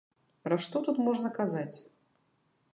Пра што тут можна казаць?